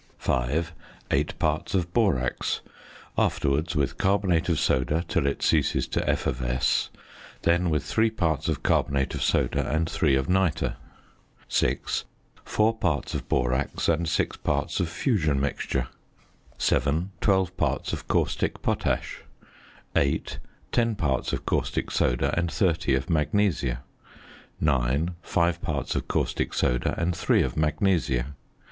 (5) 8 parts of borax; afterwards, with carbonate of soda till it ceases to effervesce; then, with 3 parts of carbonate of soda and 3 of nitre. (6) 4 parts of borax and 6 parts of fusion mixture. (7) 12 parts of caustic potash. (8) 10 parts of caustic soda and 30 of magnesia. (9) 5 parts of caustic soda and 3 of magnesia.